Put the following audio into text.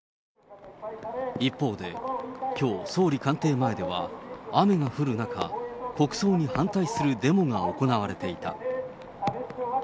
一方で、きょう、総理官邸前では、雨が降る中、国葬に反対するデモが行われていた。